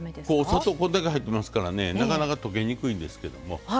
砂糖これだけ入ってますからねなかなか溶けにくいんですけども。